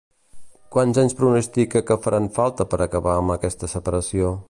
Quants anys pronostica que faran falta per acabar amb aquesta separació?